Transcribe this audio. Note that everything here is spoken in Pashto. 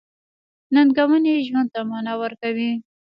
• ننګونې ژوند ته مانا ورکوي.